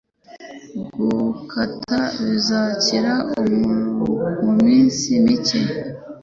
Gukata bizakira muminsi mike.